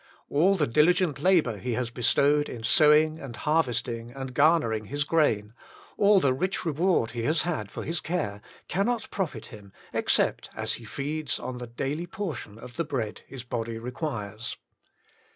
All the diligent labour he has bestowed in sowing and harvesting and garnering his grain, all the rich reward he has had for his care, cannot profit him, except as he feeds on the daily portion of the bread his body requires.